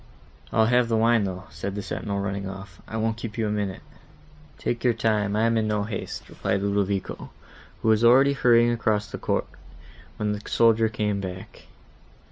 "I'll have the wine, though," said the sentinel, running off. "I won't keep you a minute." "Take your time, I am in no haste," replied Ludovico, who was already hurrying across the court, when the soldier came back.